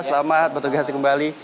selamat bertugas kembali